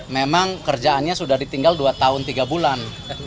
memang kerjaannya sudah ditinggal dua tahun tiga bulan